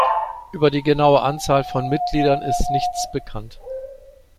Über die genaue Anzahl von Mitgliedern ist nichts bekannt.